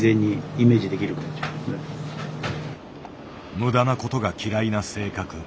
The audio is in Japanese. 無駄なことが嫌いな性格。